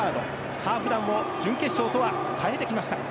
ハーフ団も準決勝とは変えてきました。